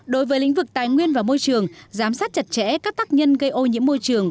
đối với lĩnh vực tài nguyên và môi trường giám sát chặt chẽ các tác nhân gây ô nhiễm môi trường